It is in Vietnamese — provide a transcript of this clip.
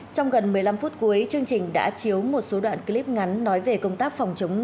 trong gần một mươi năm phút cuối chương trình đã chiếu một số đoạn clip ngắn nói về công tác phòng chống